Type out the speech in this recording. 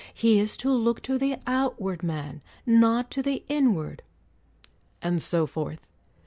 He is to look to the outward man, not to the inward, ''— and so forth.